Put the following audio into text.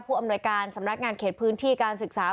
อำนวยการสำนักงานเขตพื้นที่การศึกษา